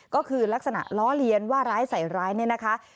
ก็คือลักษณะล้อเลียนว่าร้ายใส่ร้ายเนี่ยนะคะ